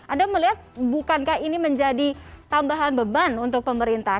anda melihat bukankah ini menjadi tambahan beban untuk pemerintah